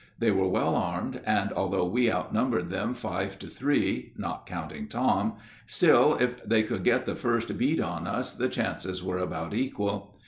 They were well armed, and although we outnumbered them five to three (not counting Tom), still, if they could get the first bead on us the chances were about equal.